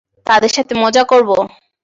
তাদের সাথে মজা করবো।